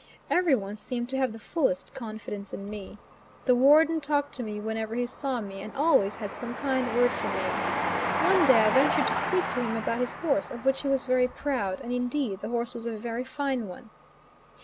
Everyone seemed to have the fullest confidence in me. The Warden talked to me whenever he saw me, and always had some kind word for me. One day I ventured to speak to him about his horse, of which he was very proud, and indeed the horse was a very fine one.